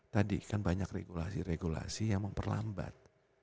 tadi kan banyak regulasi regulasi yang memperlambat